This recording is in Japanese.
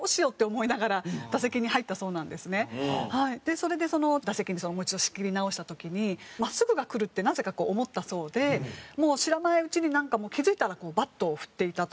それで打席にもう一度仕切り直した時にまっすぐが来るってなぜか思ったそうでもう知らないうちになんか気付いたらバットを振っていたと。